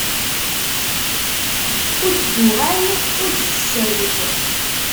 Ur d-tuɣal ur d-tsawel.